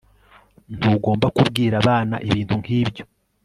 Ntugomba kubwira abana ibintu nkibyo